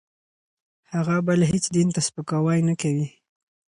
هغه بل هېڅ دین ته سپکاوی نه کوي.